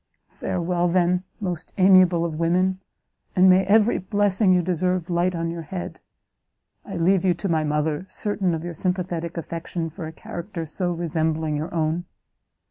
"Farewell, then, most amiable of women, and may every blessing you deserve light on your head! I leave to you my mother, certain of your sympathetic affection for a character so resembling your own.